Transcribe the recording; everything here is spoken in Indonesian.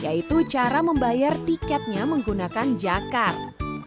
yaitu cara membayar tiketnya menggunakan jakar